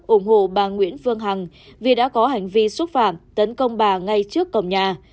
ủng hộ bà nguyễn phương hằng vì đã có hành vi xúc phạm tấn công bà ngay trước cổng nhà